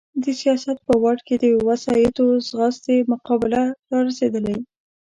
د سیاست په واټ کې د وسایطو ځغاستې مقابله را رسېدلې.